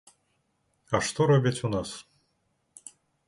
А што робяць у нас?